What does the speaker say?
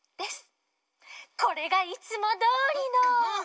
これがいつもどおりの。